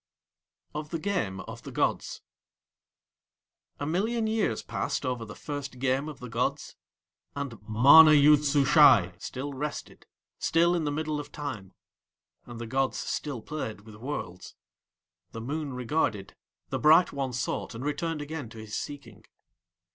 OF THE GAME OF THE GODS A million years passed over the first game of the gods. And MANA YOOD SUSHAI still rested, still in the middle of Time, and the gods still played with Worlds. The Moon regarded, and the Bright One sought, and returned again to his seeking.